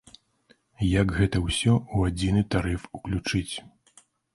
Як гэта ўсё ў адзіны тарыф уключыць.